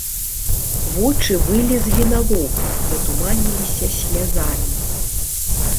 Вочы вылезлі на лоб, затуманіліся слязамі.